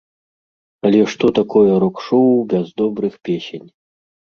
Але што такое рок-шоу без добрых песень?